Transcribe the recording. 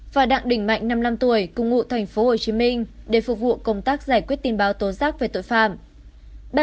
và đặng đỉnh mạnh năm năm tuổi cung ngụ tp hcm để phục vụ công tác giải quyết tin báo tố giác về tội phạm